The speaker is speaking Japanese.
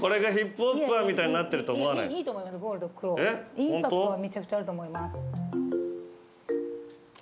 インパクトはめちゃくちゃあると思います。